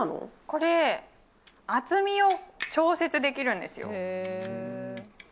これ、厚みを調節できるんです。